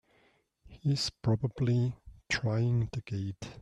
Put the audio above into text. He's probably trying the gate!